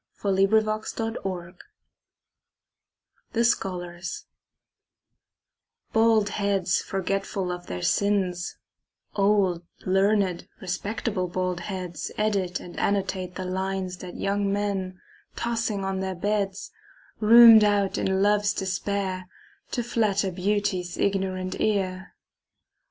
William Butler Yeats The Scholars BALD heads forgetful of their sins, Old, learned, respectable bald heads Edit and annotate the lines That young men, tossing on their beds, Rhumed out in love's despair To flatter beauty's ignorant ear.